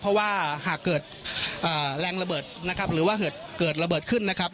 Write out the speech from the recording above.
เพราะว่าหากเกิดแรงระเบิดนะครับหรือว่าเกิดระเบิดขึ้นนะครับ